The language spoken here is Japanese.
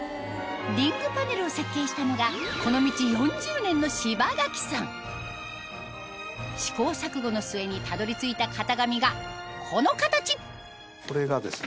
リングパネルを設計したのがこの道４０年の試行錯誤の末にたどり着いた型紙がこの形これがですね